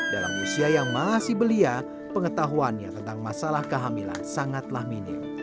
dalam usia yang masih belia pengetahuannya tentang masalah kehamilan sangatlah minim